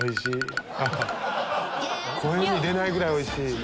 声に出ないぐらいおいしい。